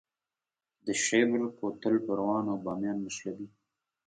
د شیبر کوتل پروان او بامیان نښلوي